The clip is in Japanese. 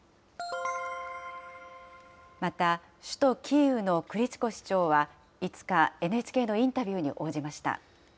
また首都キーウのクリチコ市長は５日、ＮＨＫのインタビューに応じました。